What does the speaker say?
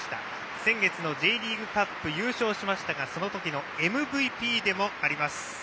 先月のＪリーグカップ優勝しましたがそのときのＭＶＰでもあります。